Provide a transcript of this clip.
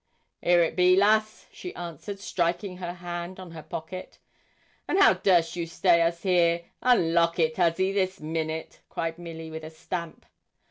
'Here it be, lass,' she answered, striking her hand on her pocket. 'And how durst you stay us here? Unlock it, huzzy, this minute!' cried Milly, with a stamp.